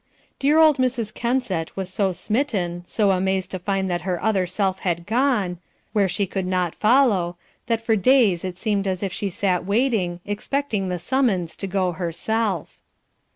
Dear old Mrs. Kensett was so smitten, so amazed to find that her other self had gone where she could not follow, that for days it seemed as if she sat waiting, expecting the summons to go herself.